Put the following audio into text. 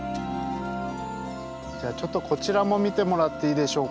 じゃあちょっとこちらも見てもらっていいでしょうかね？